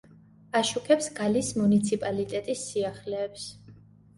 აშუქებს გალის მუნიციპალიტეტის სიახლეებს.